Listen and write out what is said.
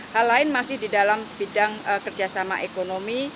hal lain masih di dalam bidang kerjasama ekonomi